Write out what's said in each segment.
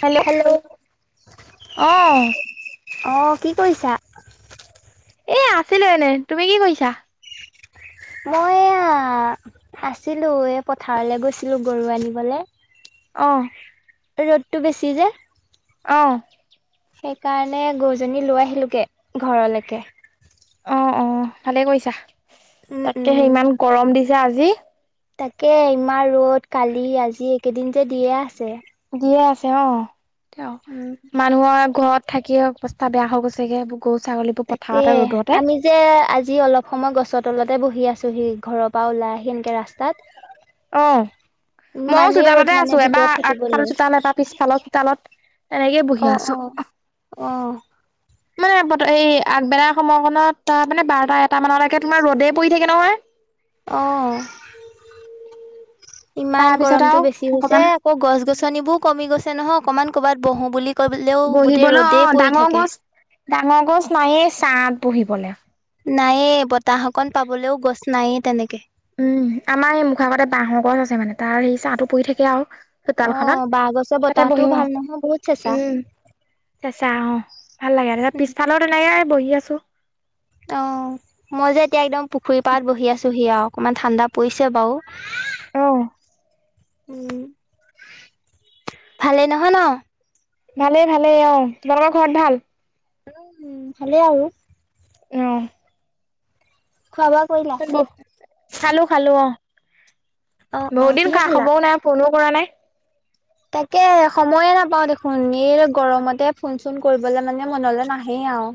Hello, অহ। অ', কি কৰিছা? এই আছিলো এনেই, তুমি কি কৰিছা? মই এয়া আছিলো, এই পথাৰলৈ গৈছিলো গৰু আনিবলৈ। অহ। ৰ'দটো বেছি যে। অ', সেইকাৰণে গৰুজনী লৈ আহিলোগে ঘৰলৈকে। অ- অ ভালে কৰিছা! উম, উম। তাকেহে, ইমান গৰম দিছে আজি। তাকে, ইমান ৰ'দ কালি আজি এইেদিন যে দিয়ে আছে। দিয়ে আছে, অ, তেও উম। মানুহৰ ঘৰত। থাকিয়ে অৱস্থা বেয়া হৈ গৈছেগে আজি। তাকে, আমি যে আজি অলপ সময় গছৰ তলতে বহি আছো। পেহী ঘৰৰ পা ওলাই আহি এনেকে ৰাস্তাত অ, ময়ো ইমানেই ৰ'দ চোতালতে মানে আছো। ভিতৰত এবাৰ থাকিব আগফাল নোৱাৰি। চোতাল, এবাৰ পিছফালৰ চোতালত। এনেকে বহি অ', আছো। অ', ও তাতে এই আগবেলা সময়খনত, তাৰ মানে বাৰটা এটমানলৈকে তোমাৰ ৰ'দেই পৰি থাকে নহয়। অ', তাৰ ইমান পিছত আৰু গৰমটো বেছি হৈছে, অকমান আকৌ গছ গছনিবোৰো কমি গৈছে নহয়, অকণমান ক'ৰবাত বহো বুলি কলেও গোটেই বহিবলৈ, ৰ'দেই অ, পৰি ডাঙৰ থাকে গছ-ডাঙৰ গছ নাইয়ে ছাত বহিবলৈ। নায়ে, বতাহ অকণ পাবলেও গছ নায়ে তেনেকে। উম, আমাৰ এই মুখৰ আগতে বাহৰ গছ আছে, মানে তাৰ হে ছাটো পৰি থাকে আৰু। অ চোতালখনত, বাঁহ গছৰ তাতে বতাহটোও বহিম আহ, ভাল নহয় বহুত চেঁচা উম, চেচা অ, ভাল লাগে। পিছফালে তেনেকে বহি আছো। অ, মই যে এতিয়া একদম পুখুৰী পাৰত বহি আছোহি আও। অকণমান ঠাণ্ডা পৰিছে বাৰু। অ', উম, ভালে নহয় ন? ভালেই, ভালে অ, তোমালোকৰ ঘৰত ভাল? উম, ভালে আৰু! অঁ। খোৱা বোৱা কৰিলা খালোঁ, খালোঁ অঁ! অ অ বহু দিন কিহে খালা খা-খবৰো নাই, ফোনো কৰা নাই। তাকে, সময়ে নাপাওঁ দেখোন! এই গৰমতে ফোন-চোন কৰিবলে মানে মনলৈ নাহে! অঁ।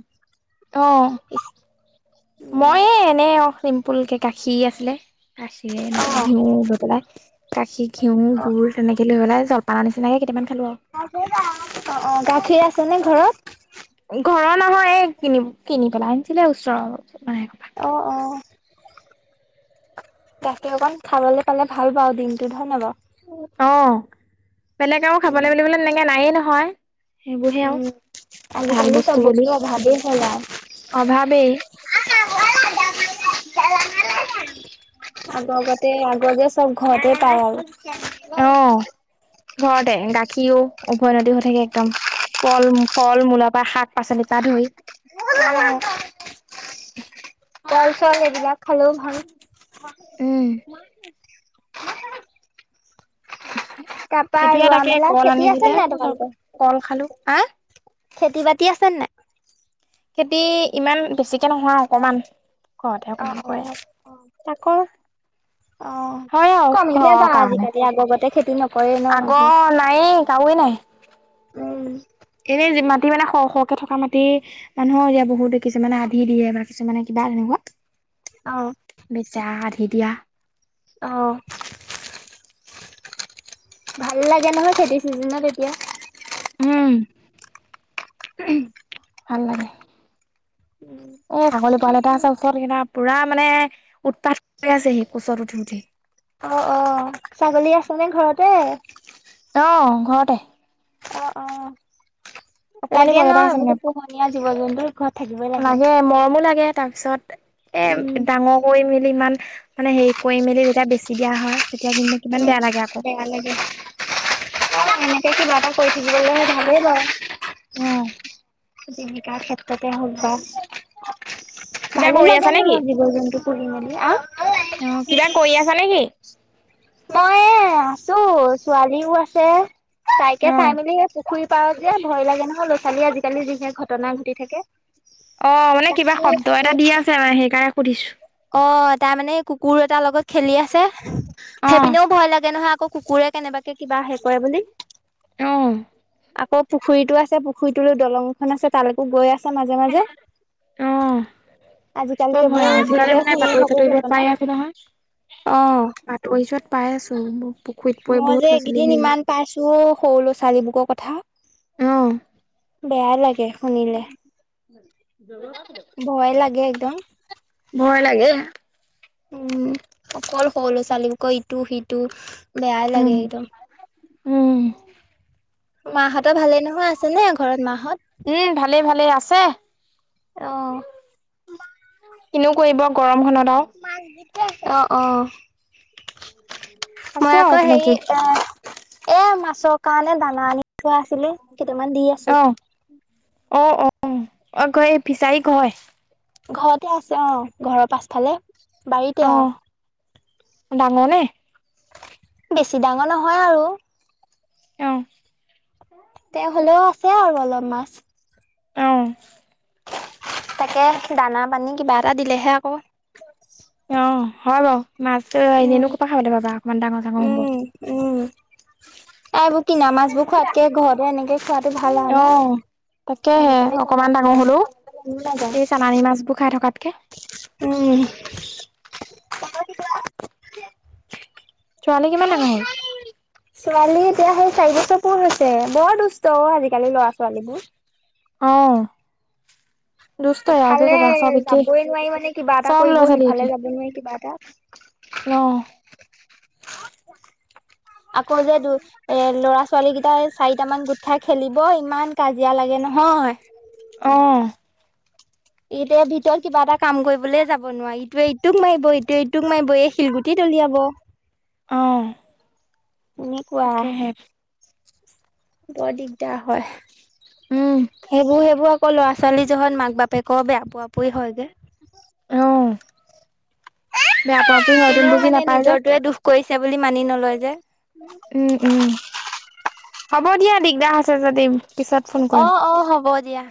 অঁ! মই এই এনে অঁ চিম্পুল কে, গাখীৰ আছিলে। গাখীৰে এনেকে উম অ ঘিউ লৈ পেলাই, গাখীৰ, ঘিঁউ, গুৰ তেনেকে লৈ পেলাই। জলপানৰ নিচিনাকে কেইটামান। খালো অঁ, অঁ! গাখীৰ আছে নে ঘৰত? ঘৰৰ নহয়! কিনি, কিনি পেলাই আনিছিলে, ওচৰৰে অঁ! অঁ, অঁ! তাকে! অকণ খাবলৈ পালে ভাল পাওঁ দিনটোত! হয় নে বাৰু? অঁ! বেলেগ আৰু উম, খাবলৈ বুলিবলে তেনেকে নায়ে নহয়। সেইবোৰহে আও! উম, ভাল আজিকালি চব বস্তু বুলি, অভাৱেই হ'ল আৰু। অভাৱেই! [inaudible] আগগতে, আগতে য চব ঘৰতে পায় আৰু! [inaudible] অ ঘৰতে গাখীৰো উভৈ নদীহৈ থাকে একদম। ফল, ফল-মূলৰ পা, শাক-পাচলিৰ পা ধৰি ফল এইবিলাক খালেও ভাল। উম। তাপা এতিয়া ৰোৱা তাকে মেলা কল খেতি আছে আনিছিলে নাই তোমালোকৰ? কল খালো হা খেতি বাতি আছে নাই? খেতি, ইমান বেছিকে নহয়, অকমান ঘৰতে অ', অকমান অ', কৰে আও তাকৰ অ', হয় অ কমিলে ঘৰৰ বাৰু কাৰণে আজিকালি আগৰ গতে খেতি নকৰে ন মানুহে। আগৰ নাইৱে কাৱে নাই উম এনেই যি মাটি মানে শ শকে থকা মাটি মানুহৰ এতিয়া বহুতে কিছুমানে আধি দিয়ে বা কিছুমানে কিব বা তেনেকুৱা অ', বচা আধি দিয়া অহ ভাল লাগে নহয় খেতি চিজনত এতিয়া উম উম ভাল লাগে অ ছাগলী পোৱালি এটা আছে ওচৰত সেইদিনা পুৰা মানে উৎপাত হৈ আছে সি কোচত উঠি উঠি অ অ ছাগলী আছে নে ঘৰতে অ ঘৰতে অ', অ', অকণমানি লাগে পোৱালি ন এটা আছে মানে বহুত পোহনীয়া জীৱ জন্তুৰ ঘৰত থাকিবই লাগে মৰমো লাগে তাৰপিছত উম, এ ডাঙৰ কৰি মেলি ইমান মানে হেৰি কৰি মেলি তেতিয়া বেছি দিয়া হয় তেতিয়া কিন্তু কিমান উম বেয়া লাগে আকৌ বেয়া লাগে অ এনেকে কিবা কৈ থাকিবলৈ ভালেই বাও অহ জীৱিকাৰ ক্ষেত্ৰতে হওক বা কিবা ভালো কৰি আছা লাগে ন নেকি জীৱ জন্তু পোহি মেলি আহ অ কিবা কৰি আছা নেকি মই এ আছো ছোৱালীও আছে তাইকে অ চাই মেলি সে পুখুৰী পাৰত যে ভয় লাগে নহয় ল'ৰা ছোৱালীয়ে আজিকালি যিহে ঘটনা ঘটি থাকে অ মানে কিবা শব্দ এটা দি আছে অ সেইকাৰণে সুধিছো তাৰ মানে কুকুৰ এটাৰ লগত খেলি আছে অ সেইপিনেও ভয় লাগে নহয় আকৌ কুকুৰে কেনেবাকে কিবা হে কৰে বুলি অ অ পুখুৰীতো আছে পুখুৰীটোলৈ দলংখন আছে তালৈকো গৈ আছে মাজে মাজে অ আজিকালি বৰ ভয় এইবোৰ আৰু আজিকালি যিহে মানে শুনি বাতৰি থাকো চাতৰি লগত ঘটনা পাই আছো নহয় অ বাতৰি যোৱাত পাই আছো মোক মই যে এইকেইদিন ইমান পাইছো সৰু লৰা ছোৱালীবুকৰ কথা অহ বেয়া লাগে শুনিলে উম [inaudible] ভয় লাগে একদম ভয় লাগে উম অকল সৰু লৰা ছোৱালী [unintelligible] টো সিটো বেয়াই উম লাগে একদম উম মা হতৰ ভালে নহয় আছে নে ঘৰত মা হত উম ভালেই ভালেই আছে অহ কিনো কৰিব গৰম খনত অহ অহ আছো মই আৰু আকৌ হেৰি তেনেকেই এ এ মাছৰ কাৰণে দানা আনি থোৱা আছিলে কেইটামান দি অ আছো। অ' অ' অক এই ফিচাৰী কয়। ঘৰতে আছে অ' ঘৰৰ পাছফালে বাৰীতে অ আও ডাঙৰ নে? বেছি ডাঙৰ নহয় আৰু। অ', তে হ'লেও আছে আৰু অলপ মাছ। অ', তাকে দানা-পানী কিবা এটা দিলেহে আকৌ অ', হয় বাৰু মাছ উম [unintelligible] নো পৰা খাবলে পাবা অকমান ডাঙৰ-চাঙৰ হ'ব। আৰু এইবোৰ কিনা মাছবোৰ খোৱাতকে ঘৰতে এনেকে খোৱাতো ভাল আৰু অ ন'। তাকেহে আজিকালি অকনমান চালানী ডাঙৰ মাছবোৰ হলও খাবলৈ মনো এই চালানী মাছবোৰ খাই থকা উম', ছোৱালী কিমান ডাঙৰ হ'ল? ছোৱালী এতিয়া সেই চাৰি বছৰ পুৰ হৈছে বৰ দুষ্ট অ' আজিকালি ল'ৰা-ছোৱালীবোৰ। অ' দুষ্টই আৰু কি ইফালে কবা চব একেই যাবই নোৱাৰি মানে কিবা এটা চব ল'ৰা কৰিব ছোৱালী সিফালে একেই যাব নোৱাৰি কিবা এটা, অ' আকৌ যে, দু এ ল'ৰা-ছোৱালী কেইটাই চাৰিটামান গোট খাই খেলিব, ইমান কাজিয়া লাগে নহয়, হয়। অ' এতিয়া ভিতৰত কিবা এটা কাম কৰিবলে যাব নোৱাৰি ইটোৱে-ইটোক মাৰিব ইটোৱে-ইটোক মাৰিব এই শিলগুটি দলিয়াব। অঁ। এনেকুৱা। বৰ দিগদাৰ হয়, উম সেইবোৰ এইবোৰ [unintelligible] ল'ৰা ছোৱালী য'হত মাক-বাপেকৰ বেয়া পোৱা-পুই হয়গে। অ, বেয়া পুৱা-পুই হয়তোন বুজি নাপায় যে, ছে বুলি মানি নলয় যে, উম', উম', হ'ব দিয়া দিগদাৰ হৈছে যদি। পিছত ফোন কৰিম। অ, অ, হ'ব দিয়া।